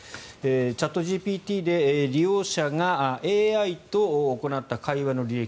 チャットＧＰＴで利用者がＡＩと行った会話の履歴